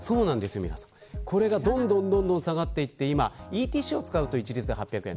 これがどんどん下がっていって今ＥＴＣを使うと一律で８００円